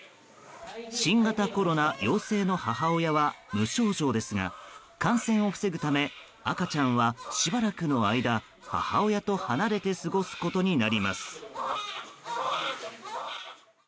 新型コロナ陽性の母親は無症状ですが感染を防ぐため赤ちゃんはしばらくの間母親と離れて過ごすことになります。